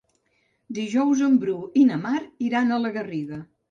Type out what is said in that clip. Dijous en Bru i na Mar iran a la Garriga.